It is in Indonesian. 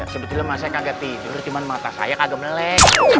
sebetulnya saya kagak tidur cuman mata saya kagak melek